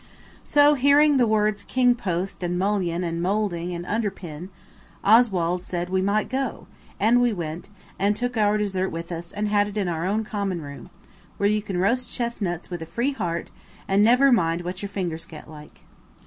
So, hearing the words king post and mullion and moulding and underpin, Oswald said might we go; and we went, and took our dessert with us and had it in our own common room, where you can roast chestnuts with a free heart and never mind what your fingers get like.